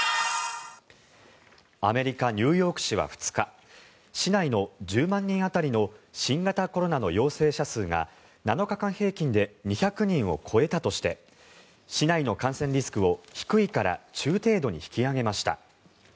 アメリカ・ニューヨーク市は２日市内の１０万人当たりの新型コロナの陽性者数が７日間平均で２００人を超えたとして市内の感染リスクを、低いから中程度に引き上げました。